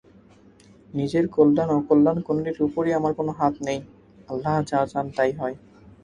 নিজের কল্যাণ-অকল্যাণ কোনটির উপরই আমার কোন হাত নেই- আল্লাহ যা চান তাই হয়।